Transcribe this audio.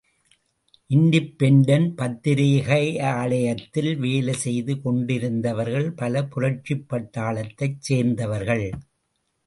Independent பத்திரிகாலயத்தில் வேலை செய்து கொண்டிருந்தவர்களில் பலர் புரட்சிப் பட்டாளத்தைச் சேர்ந்தவர்கள்.